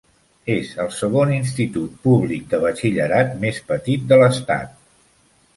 És el segon institut públic de batxillerat més petit de l'estat.